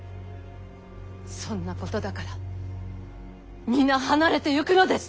そんなことだから皆離れていくのです！